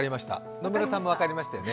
野村さんも分かりましたよね。